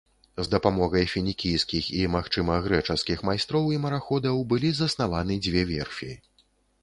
З дапамогай фінікійскіх і, магчыма, грэчаскіх майстроў і мараходаў былі заснаваны дзве верфі.